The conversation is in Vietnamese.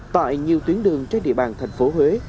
tại nhiều tuyến đường trên địa bàn thành phố huế